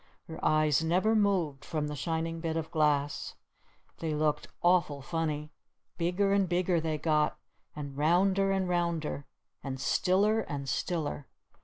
Her eyes never moved from the shining bit of glass. They looked awful funny. Bigger and bigger they got! And rounder and rounder! And stiller and stiller!